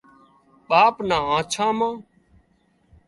ٻاپ نان آنڇان مان